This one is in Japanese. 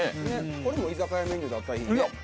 これも居酒屋メニューだったらいいね。